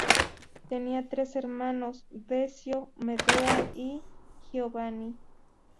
Tenía tres hermanos, Decio, Medea y Giovanni.